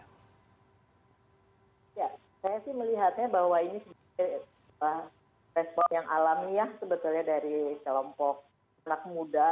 saya melihatnya bahwa ini adalah respon yang alamiah dari kelompok anak muda